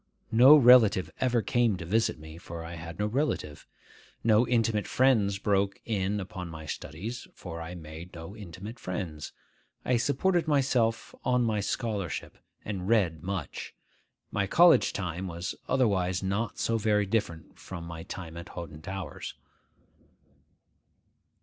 No relative ever came to visit me, for I had no relative. No intimate friends broke in upon my studies, for I made no intimate friends. I supported myself on my scholarship, and read much. My college time was otherwise not so very different from my time at Hoghton Towers.